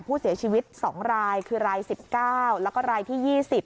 ผู้เสียชีวิต๒รายคือราย๑๙แล้วก็รายที่๒๐